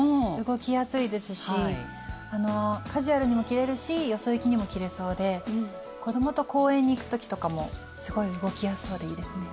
動きやすいですしカジュアルにも着れるしよそ行きにも着れそうで子供と公園に行く時とかもすごい動きやすそうでいいですね。